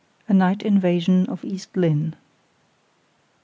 A NIGHT INVASION OF EAST LYNNE.